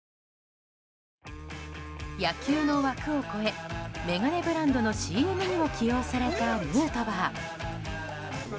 野球の枠を超え眼鏡ブランドのＣＭにも起用されたヌートバー。